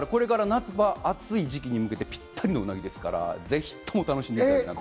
夏場の暑い時期に向けてぴったりのうなぎですから、ぜひとも楽しんでいただきたい。